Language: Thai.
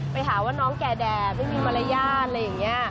ไปหาว่าน้องแก่แดดไม่มีมารยาทอะไรอย่างนี้